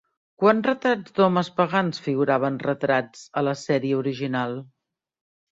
Quants retrats d'homes pagans figuraven retrats a la sèrie original?